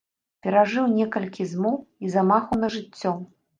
Перажыў некалькі змоў і замахаў на жыццё.